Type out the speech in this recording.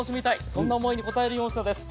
そんな思いに応える４品です。